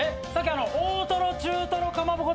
え大トロ中トロかまぼこだ。